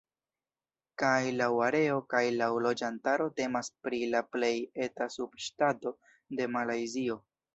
Kaj laŭ areo kaj laŭ loĝantaro temas pri la plej eta subŝtato de Malajzio.